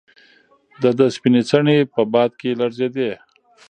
د ده سپینې څڼې په باد کې لړزېدې.